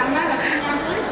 karena gak kelihatan kulis lah